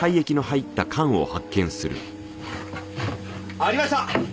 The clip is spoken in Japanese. ありました！